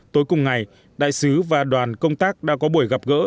tối cùng ngày đại sứ và đoàn công tác đã có buổi gặp gỡ